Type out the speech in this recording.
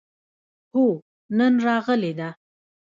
هو، نن راغلې ده